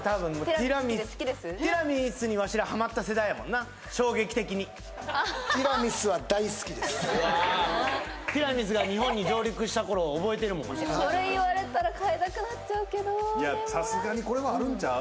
ティラミスにワシらハマった世代やもんな衝撃的にティラミスが日本に上陸した頃覚えてるもんそれ言われたら変えたくなっちゃうけどさすがにこれはあるんちゃう？